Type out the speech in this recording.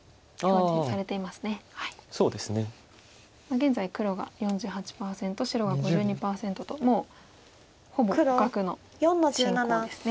現在黒が４８％白が５２％ともうほぼ互角の進行ですね。